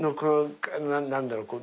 何だろう？